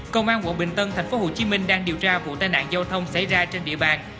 công an quận bình tân tp hcm đang điều tra vụ tai nạn giao thông xảy ra trên địa bàn